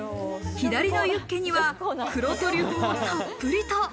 左のユッケには黒トリュフをたっぷりと。